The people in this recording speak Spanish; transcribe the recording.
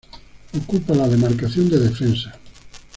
Ocupa la demarcación de defensa.